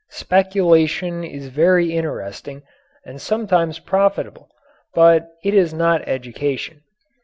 Speculation is very interesting, and sometimes profitable, but it is not education.